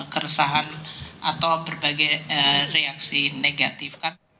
keresahan atau berbagai reaksi negatif kan